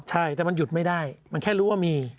ใช่แต่มันหยุดไม่ได้มันแค่รู้ว่ามี